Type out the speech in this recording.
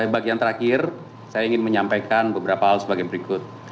bagian terakhir saya ingin menyampaikan beberapa hal sebagai berikut